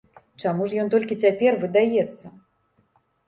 Чаму ж ён толькі цяпер выдаецца?